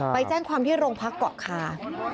ไปแจ้งความที่โรงพักเกาะคา